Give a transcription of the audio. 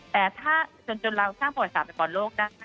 แต่ถ้าจนเราช่างประวัติศาสตร์ไปบ่อโลก